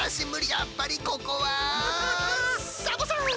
やっぱりここはサボさん！